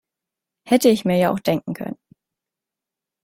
Hätte ich mir ja auch denken können.